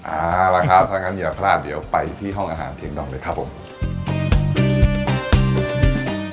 เอาละครับถ้างั้นอย่าพลาดเดี๋ยวไปที่ห้องอาหารเพียงดอกเลยครับผม